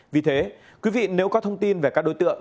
vì thế quý vị nếu có thông tin về các đối tượng